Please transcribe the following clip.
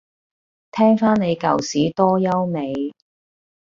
聽返你舊屎多優美